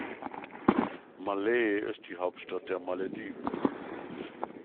Malé ist die Hauptstadt der Malediven.